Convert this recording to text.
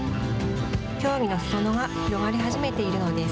競技のすそ野が広がり始めているのです。